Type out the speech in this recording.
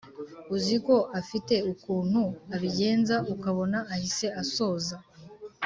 uziko afite ukuntu abigenza ukabona ahise asoza